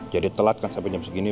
jadi telat kan sampe jam segini